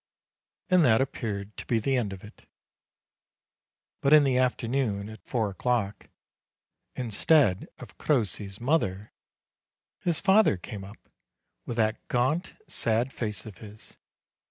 And that appeared to be the end of it. But in the afternoon, at four o'clock, instead of Crossi's mother, his father came up, with that gaunt, sad face of his.